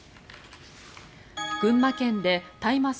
群馬県で大麻草